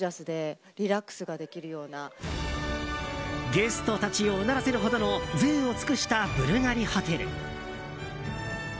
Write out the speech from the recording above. ゲストたちをうならせるほどのぜいを尽くしたブルガリホテル。